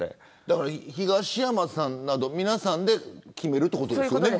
東山さんなど皆さんで決めるということですよね。